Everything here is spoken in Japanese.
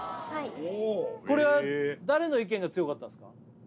おおこれは誰の意見が強かったんですか？